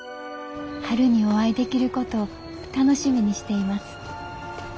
春にお会いできることを楽しみにしています。